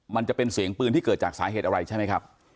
มันจะเป็นเสียงปืนที่เกิดจากสาเหตุอะไรใช่ไหมครับ